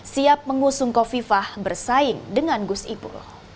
siap mengusung kofifah bersaing dengan gus ipul